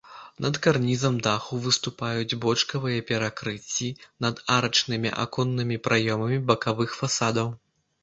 Над карнізам даху выступаюць бочкавыя перакрыцці над арачнымі аконнымі праёмамі бакавых фасадаў.